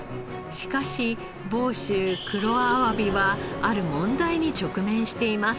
しかし房州黒あわびはある問題に直面しています。